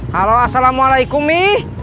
halo assalamualaikum mi